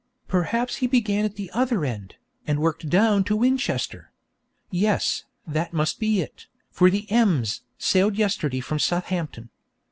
Perhaps he began at the other end, and worked down to Winchester. Yes, that must be it, for the Ems sailed yesterday from Southampton.